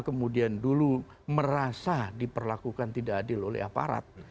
kemudian dulu merasa diperlakukan tidak adil oleh aparat